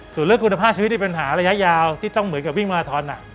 สูตรเรื่องกลุ่นภาพชีวิตเป็นหน่อยระยะยาวที่ต้องเหมือนกับวิ่งมาราทน